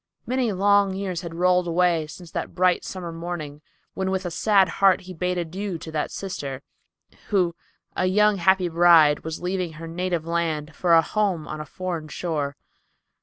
Many long years had rolled away since that bright summer morning, when with a sad heart he bade adieu to that sister, who, a young happy bride, was leaving her native land for a home on a foreign shore.